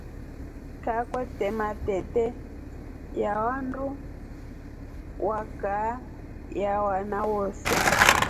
Kaa kwete mateta ya wandu wa kaa ya wana wose.